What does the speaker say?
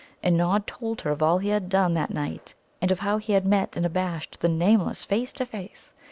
And Nod told her of all he had done that night, and of how he had met and abashed the Nameless face to face.